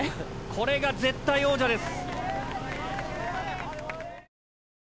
これが絶対王者です。